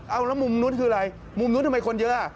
เอาแล้วมุมนุษย์คือไรมุมนุษย์ทำไมคนเยอะ